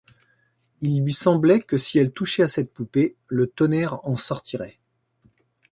Il lui semblait que si elle touchait à cette poupée, le tonnerre en sortirait.